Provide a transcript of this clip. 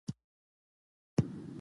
شيخ بيا څه وويل.